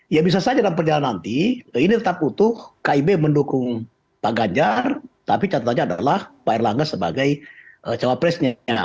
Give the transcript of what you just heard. ya bisa saja dalam perjalanan nanti ini tetap utuh kib mendukung pak ganjar tapi catatannya adalah pak erlangga sebagai cawapresnya